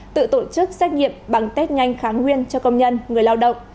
tự tổ chức xét nghiệm bằng test nhanh kháng nguyên cho công nhân người lao động